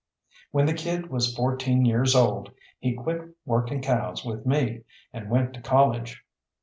When the kid was fourteen years old he quit working cows with me, and went to college.